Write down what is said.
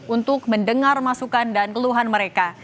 untuk mendengar masukan dan keluhan mereka